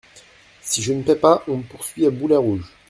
Si je ne paie pas, on me poursuit à boulets rouges.